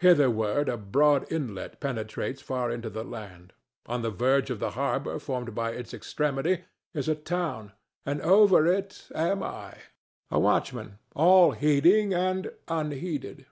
Hitherward a broad inlet penetrates far into the land; on the verge of the harbor formed by its extremity is a town, and over it am I, a watchman, all heeding and unheeded.